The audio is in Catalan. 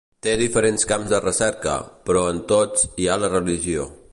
Té diferents camps de recerca, però en tots hi ha la religió.